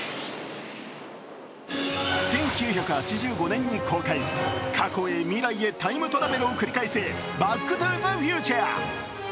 １９８５年に公開、過去へ未来へタイムトラベルを繰り返す「バック・トゥ・ザ・フューチャー」